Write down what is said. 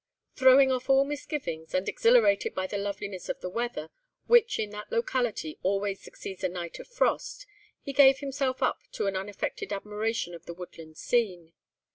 Throwing off all misgivings, and exhilarated by the loveliness of the weather, which in that locality always succeeds a night of frost, he gave himself up to an unaffected admiration of the woodland scene.